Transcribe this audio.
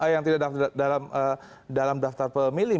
yang tidak dalam daftar pemilih